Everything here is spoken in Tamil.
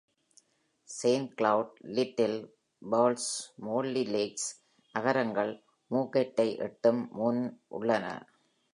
Saint Cloud, Little Falls, Motley Lakes நகரங்கள் மூர்ஹெட்டை எட்டும் முன் உள்ளன.